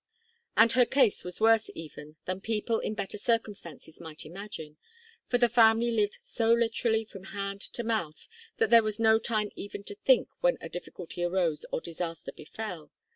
And her case was worse, even, than people in better circumstances might imagine, for the family lived so literally from hand to mouth that there was no time even to think when a difficulty arose or disaster befell.